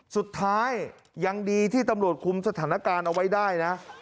สุดท้ายยังดีที่ตำรวจคุมสถานการณ์เอาไว้ได้นะ